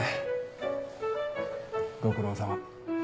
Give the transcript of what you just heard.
ご苦労さま。